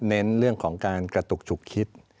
เน้นเรื่องของการกระตุกฉุกคิด